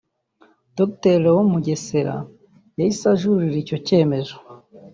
Dr Léon Mugesera yahise ajuririra icyo cyemezo